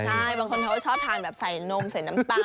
ใช่บางคนเขาก็ชอบทานแบบใส่นมใส่น้ำตาล